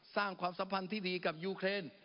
ความสัมพันธ์ที่ดีกับยูเครน